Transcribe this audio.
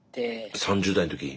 ３０代の時。